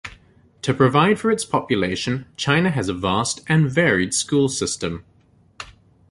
To provide for its population, China has a vast and varied school system.